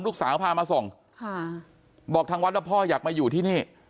ลูกสาวพามาส่งค่ะบอกทางวัดว่าพ่ออยากมาอยู่ที่นี่